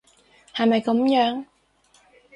係咪噉樣？